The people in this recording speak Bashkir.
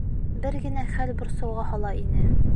Бер генә хәл борсоуға һала ине.